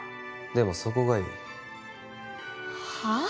でもそこがいいはあ？